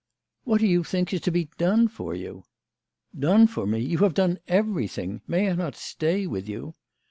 " What do you think is to be done for you ?"" Done for me ! You have done everything. May I not stay with you